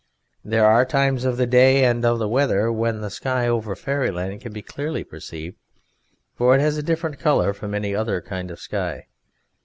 There are times of the day and of the weather when the sky over Fairyland can be clearly perceived, for it has a different colour from any other kind of sky.